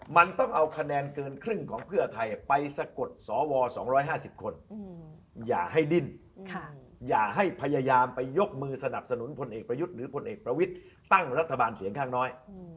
มันต้องเอาคะแนนเกินครึ่งของเพื่อไทยไปสะกดสว๒๕๐คนอย่าให้ดิ้นอย่าให้พยายามไปยกมือสนับสนุนพลเอกประยุทธ์หรือพลเอกประวิทย์ตั้งรัฐบาลเสียงข้างน้อย